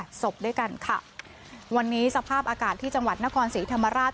ศพด้วยกันค่ะวันนี้สภาพอากาศที่จังหวัดนครศรีธรรมราช